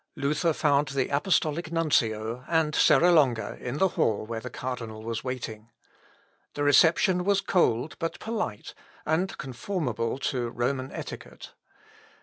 Luther found the Apostolical Nuncio, and Serra Longa, in the hall where the cardinal was waiting. The reception was cold but polite, and conformable to Roman etiquette.